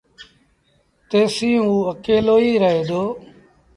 تيسيٚݩٚ اوٚ اڪيلو ئيٚ رهي دو